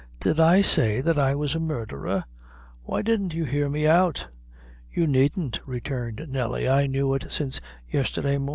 "Did I say that I was a murdherer? Why didn't you hear me out?" "You needn't," returned Nelly; "I knew it since yestherday mornin'."